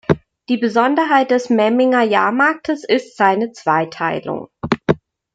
Die Besonderheit des Memminger Jahrmarktes ist seine Zweiteilung.